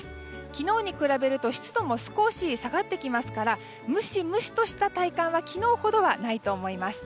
昨日に比べると湿度も少し下がってきますからムシムシとした体感は昨日ほどはないと思います。